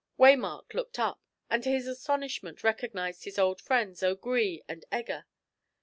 Waymark looked up, and to his astonishment recognised his old friends O'Gree and Egger.